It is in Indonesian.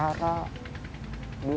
awalnya dulu gitu